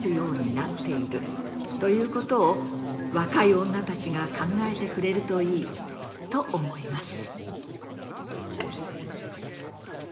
ということを若い女たちが考えてくれるといいと思います。